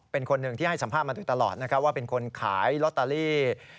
เป็นคนหนึ่งที่ให้สัมภาษณ์มาโดยตลอดนะครับว่าเป็นคนขายลอตเตอรี่